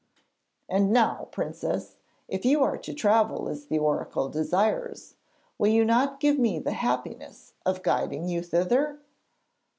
'And now, Princess, if you are to travel as the oracle desires, will you not give me the happiness of guiding you thither?'